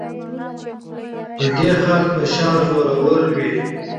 ـ پردى خر په شا زور ور وي.